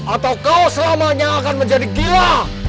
atau kau selamanya akan menjadi gila